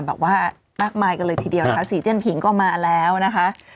แบบว่ามากมายกันเลยทีเดียวนะคะสีเจียนผิงก็มาแล้วนะคะ